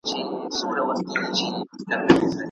که مشوره ونه سي، د موضوع ټاکل به ګران وي.